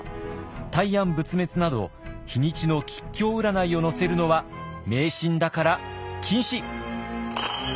大安仏滅など日にちの吉凶占いを載せるのは迷信だから禁止。